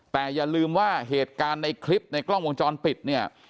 แต่อย่าลืมว่าเหตุการณ์ในคลิปในกล้องวงจรปิดเนี่ย